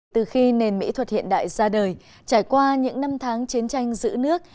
từ khi nền mỹ thuật hiện đại ra đời trải qua những năm tháng chiến tranh giữ nước